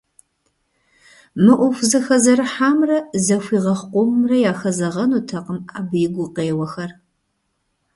Мы Ӏуэху зэхэзэрыхьамрэ зэхуигъэхъу къомымрэ яхэзэгъэнутэкъым абы и гукъеуэхэр.